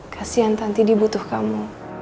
kasian tanti dibutuh kamu